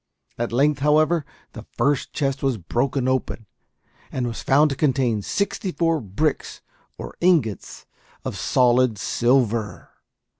At length, however, the first chest was broken open, and was found to contain sixty four bricks or ingots of solid silver!